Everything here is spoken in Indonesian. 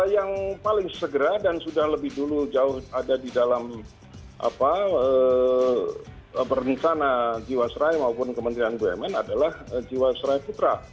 yang paling segera dan sudah lebih dulu jauh ada di dalam perencanaan jiwa serai maupun kementerian bmn adalah jiwa serai putra